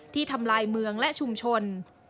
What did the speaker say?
ทำลายเมืองและชุมชน